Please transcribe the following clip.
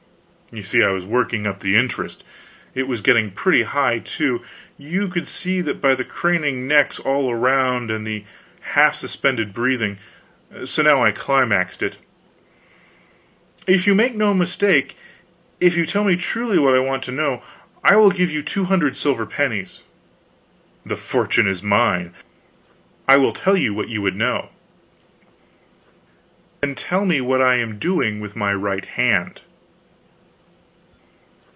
You see, I was working up the interest. It was getting pretty high, too; you could see that by the craning necks all around, and the half suspended breathing. So now I climaxed it: "If you make no mistake if you tell me truly what I want to know I will give you two hundred silver pennies." "The fortune is mine! I will tell you what you would know." "Then tell me what I am doing with my right hand."